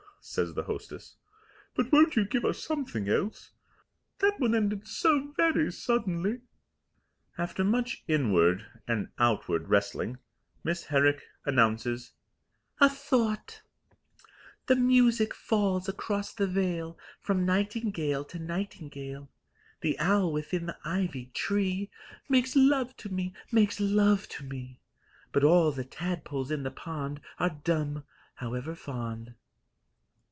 says the hostess. "But won't you give us something else? That one ended so very suddenly." After much inward (and outward) wrestling Miss Herrick announces: A THOUGHT The music falls across the vale From nightingale to nightingale; The owl within the ivied tree Makes love to me, makes love to me; But all the tadpoles in the pond Are dumb however fond.